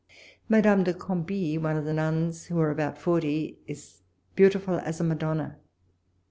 Madame de Cambis, one of the nuns, who are about forty, is beautiful as a Madonna.